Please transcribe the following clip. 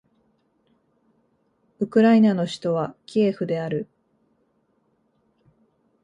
ウクライナの首都はキエフである